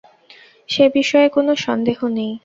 সেবিষয়ে কোনো সন্দেহ নেই।